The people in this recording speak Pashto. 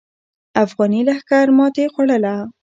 افغاني لښکر ماتې خوړله.